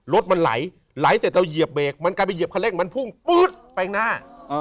รถมันไหลไหลเสร็จเราเหยียบเบรกมันกลายไปเหยียบคันเร่งมันพุ่งปื๊ดไปข้างหน้า